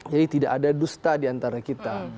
jadi tidak ada dusta diantara kita